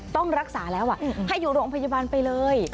ต้องรักษาแล้วให้อยู่โรงพยาบาลไปเลย